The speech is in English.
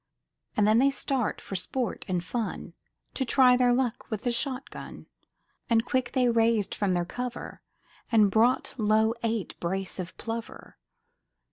And then they start for sport and fun, To try their luck with the shot gun, And quick they raised from their cover, Then brought low eight brace of plover.